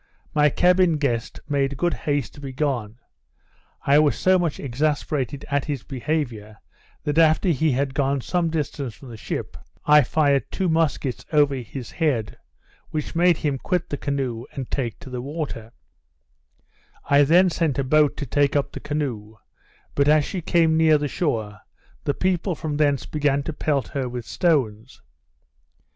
My cabin guest made good haste to be gone; I was so much exasperated at his behaviour, that after he had got some distance from the ship, I fired two muskets over his head, which made him quit the canoe, and take to the water; I then sent a boat to take up the canoe, but as she came near the shore, the people from thence began to pelt her with stones.